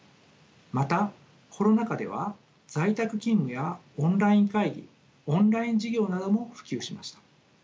またコロナ禍では在宅勤務やオンライン会議オンライン授業なども普及しました。